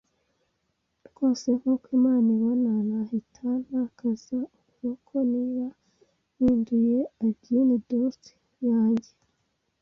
rwose nkuko Imana ibona, nahita ntakaza ukuboko. Niba mpinduye agin dooty yanjye -”